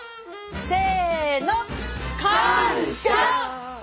せの！